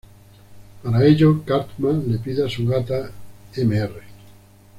Para ello Cartman le pide a su gata Mr.